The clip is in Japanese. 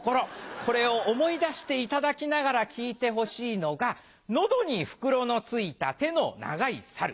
これを思い出していただきながら聞いてほしいのが喉に袋の付いた手の長いサル。